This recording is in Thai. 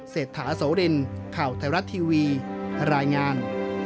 เศรษฐาโสรินข่าวไทยรัฐทีวีรายงาน